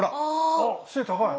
あっ背高い！